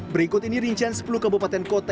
berikut ini rincian sepuluh kabupaten kota